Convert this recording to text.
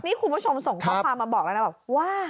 นี่คุณผู้ชมส่งข้อความมาบอกแล้วนะบอกว่า